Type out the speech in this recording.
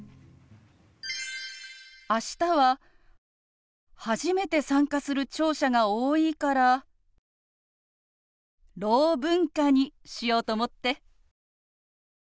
明日は初めて参加する聴者が多いから「ろう文化」にしようと思って。